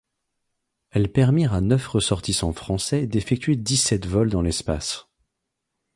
Elles permirent à neuf ressortissants français d’effectuer dix-sept vols dans l’espace.